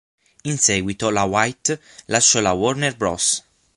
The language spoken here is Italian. In seguito la White lasciò la Warner Bros.